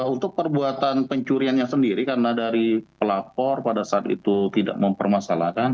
untuk perbuatan pencuriannya sendiri karena dari pelapor pada saat itu tidak mempermasalahkan